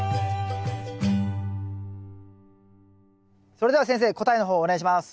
それでは先生答えの方お願いします。